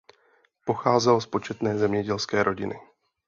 Pocházel z početné zemědělské rodiny.